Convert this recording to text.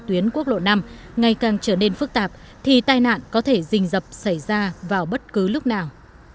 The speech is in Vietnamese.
tuyến quốc lộ năm ngày càng trở nên phức tạp thì tai nạn có thể dình dập xảy ra vào bất cứ lúc nào